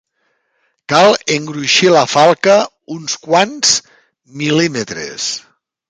Cal engruixir la falca uns quants mil·límetres.